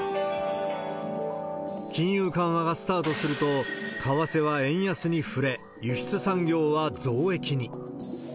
金融緩和がスタートすると、為替は円安に振れ、輸出産業は増益に。